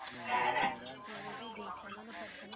څوک د خپلي کلکي ارادې په مرسته هر خنډ ماتوي؟